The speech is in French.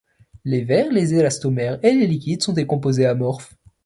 Les verres, les élastomères et les liquides sont des composés amorphes.